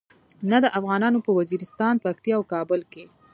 نه د افغانانو په وزیرستان، پکتیا او کابل کې.